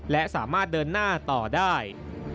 และสามารถเดินหน้าต่อได้